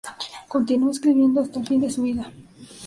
Continuó escribiendo hasta el fin de su vida.